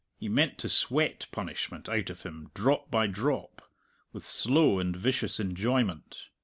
He meant to sweat punishment out of him drop by drop, with slow and vicious enjoyment.